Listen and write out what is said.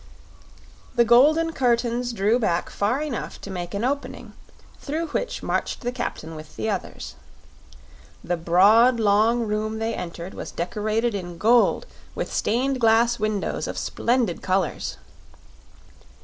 The golden curtains drew back far enough to make an opening, through which marched the captain with the others. The broad, long room they entered was decorated in gold with stained glass windows of splendid colors.